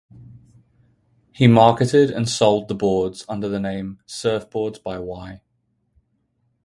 He marketed and sold the boards under the name Surfboards by Y.